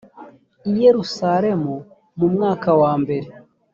i yerusalemu mu mwaka wambere